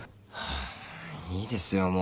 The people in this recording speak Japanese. ハァいいですよ